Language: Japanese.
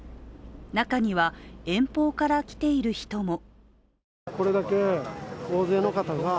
中には、遠方から来ている人も。